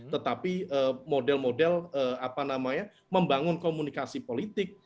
tetapi model model apa namanya membangun komunikasi politik